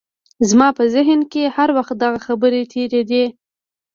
زما په ذهن کې هر وخت دغه خبرې تېرېدې